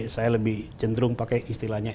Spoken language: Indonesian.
saya lebih cenderung pakai istilahnya